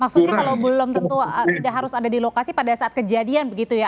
maksudnya kalau belum tentu tidak harus ada di lokasi pada saat kejadian begitu ya